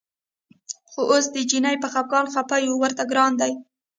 خو اوس د چیني په خپګان خپه یو ورته ګران دی.